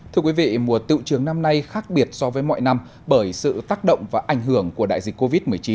thưa quý vị mùa tự trường năm nay khác biệt so với mọi năm bởi sự tác động và ảnh hưởng của đại dịch covid một mươi chín